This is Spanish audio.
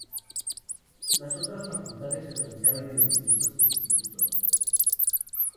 Las otras facultades se organizan en diversos institutos.